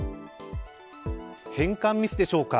変換ミスでしょうか。